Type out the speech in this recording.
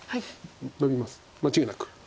ノビます間違いなく。